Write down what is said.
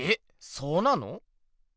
そうなの？